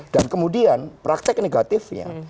dan kemudian praktek negatifnya